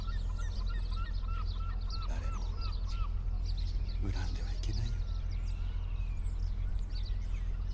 誰も恨んではいけないよ。